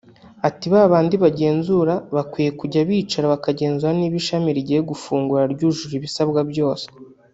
Ati “ Ba bandi bagenzura bakwiye kujya bicara bakagenzura niba ishami rigiye gufungura ryujuje ibisabwa byose